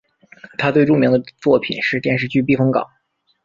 他最著名的作品是电视剧避风港。